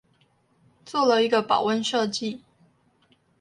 做了一個保溫設計